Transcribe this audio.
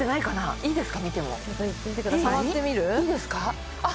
いいですか？